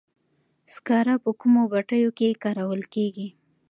سکاره په کومو بټیو کې کارول کیږي؟